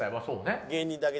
そうね。